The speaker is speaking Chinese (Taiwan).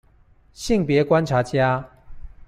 性別觀察家